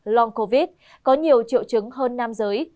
long covid có nhiều triệu chứng hơn nam giới